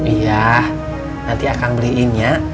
iya nanti akang beliinnya